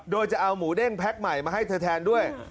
โดยจะเอาหมูเด้งแพ็คใหม่มาให้เธอแทนด้วย